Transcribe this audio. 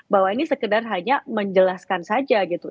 bahwa ini sekedar hanya menjelaskan saja gitu